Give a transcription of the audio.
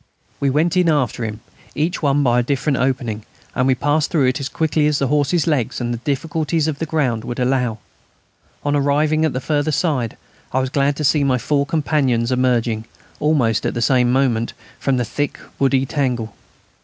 We went in after him, each one by a different opening, and we passed through it as quickly as the horses' legs and the difficulties of the ground would allow. On arriving at the further side I was glad to see my four companions emerging, almost at the same moment, from the thick woody tangle.